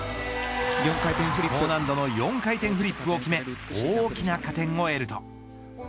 高難度の４回転フリップを決め大きな加点を得ると。